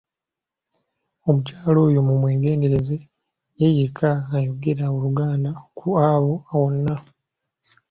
Omukyala oyo mu mwegendereze ye yekka ayogera Oluganda ku abo bonna.